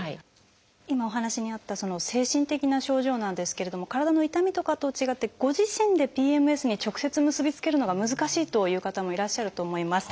今お話にあったその精神的な症状なんですけれども体の痛みとかとは違ってご自身でＰＭＳに直接結び付けるのが難しいという方もいらっしゃると思います。